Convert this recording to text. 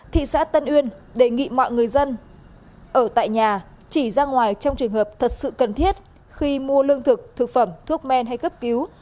thị xã tân uyên đề nghị mọi người dân ở tại nhà chỉ ra ngoài trong trường hợp thật sự cần thiết khi mua lương thực thực phẩm thuốc men hay cấp cứu